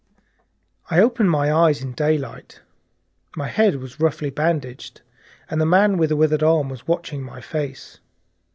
I opened my eyes in daylight. My head was roughly bandaged, and the man with the withered hand was watching my face.